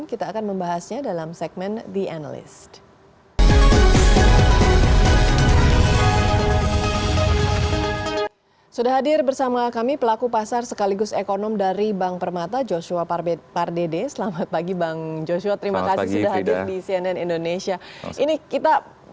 kita akan membahasnya dalam segmen the analyst